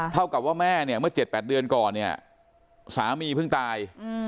เท่ากับว่าแม่เมื่อ๗๘เดือนก่อนสามีเพิ่งตาย